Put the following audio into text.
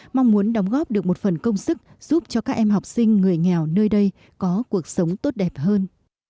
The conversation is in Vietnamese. mong muốn đóng góp được một phần công sức giúp cho các em học sinh người nghèo nơi đây có cuộc sống tốt đẹp hơn